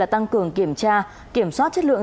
tăng cường kiểm tra kiểm soát chất lượng